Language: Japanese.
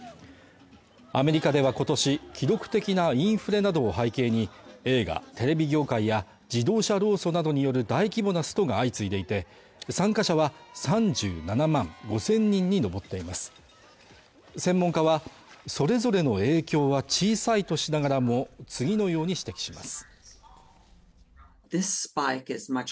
アメリカではことし記録的なインフレなどを背景に映画テレビ業界や自動車労組などによる大規模なストが相次いでいて参加者は３７万５０００人に上っています専門家はそれぞれの影響は小さいとしながらも次のように指摘します